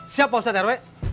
siap pak ustadz rw